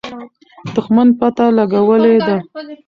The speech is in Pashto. دښمن پته لګولې ده.